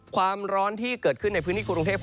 ความร้อนที่เกิดขึ้นในพื้นที่กรุงเทพ